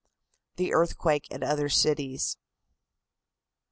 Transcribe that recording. THE EARTHQUAKE AT OTHER CITIES.